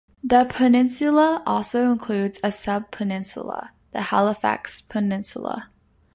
The peninsula also includes a sub-peninsula - the Halifax Peninsula.